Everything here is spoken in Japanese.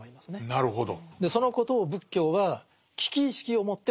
なるほど。